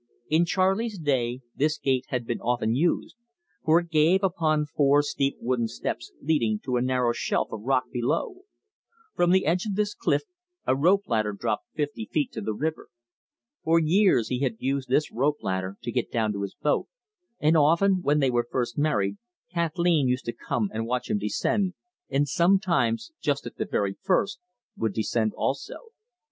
In Charley's day this gate had been often used, for it gave upon four steep wooden steps leading to a narrow shelf of rock below. From the edge of this cliff a rope ladder dropped fifty feet to the river. For years he had used this rope ladder to get down to his boat, and often, when they were first married, Kathleen used to come and watch him descend, and sometimes, just at the very first, would descend also.